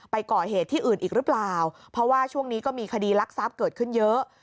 ไปก่อเหตุที่อื่นอีกหรือเปล่าเพราะว่าช่วงนี้ก็มีคดีรักทรัพย์เกิดขึ้นเยอะ